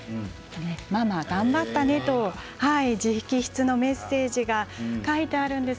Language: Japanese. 「ママがんばったね」と直筆のメッセージが書いてあるんです。